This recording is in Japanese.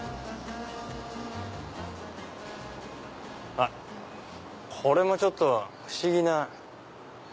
あっこれもちょっと不思議な。